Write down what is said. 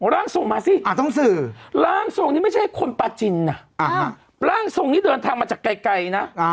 ร่างทรงมาสิร่างทรงนี่ไม่ใช่คนปาจินนะร่างทรงนี้เดินทางมาจากไกลนะ